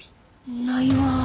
ないわぁ。